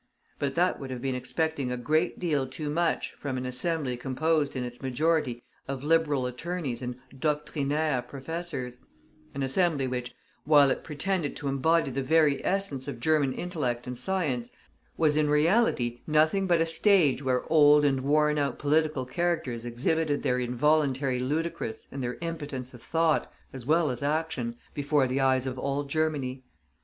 But that would have been expecting a great deal too much from an Assembly composed in its majority of Liberal attorneys and doctrinaire professors, an Assembly which, while it pretended to embody the very essence of German intellect and science, was in reality nothing but a stage where old and worn out political characters exhibited their involuntary ludicrousness and their impotence of thought, as well as action, before the eyes of all Germany.